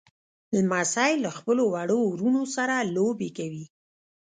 لمسی له خپلو وړو وروڼو سره لوبې کوي.